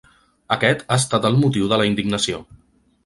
Aquest ha estat el motiu de la indignació.